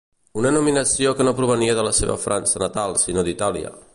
Una nominació que no provenia de la seva França natal sinó d'Itàlia.